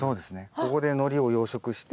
ここでのりを養殖して。